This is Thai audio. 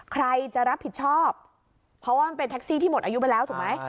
ใครจะรับผิดชอบเพราะว่ามันเป็นแท็กซี่ที่หมดอายุไปแล้วถูกไหม